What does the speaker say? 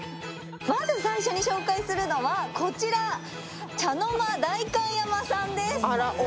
まず最初に紹介するのはこちら、Ｃｈａｎｏ−ｍａ代官山店さんです。